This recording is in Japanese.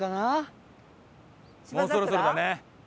もうそろそろだね。